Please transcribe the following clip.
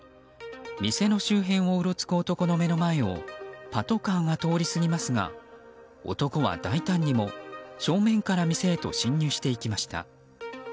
店の周辺をうろつく男の目の前をパトカーが通り過ぎますが男は大胆にも正面から店へと侵入していきました。